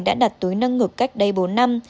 đã đặt túi nâng ngực cách đây bốn năm